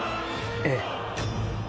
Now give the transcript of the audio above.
ええ。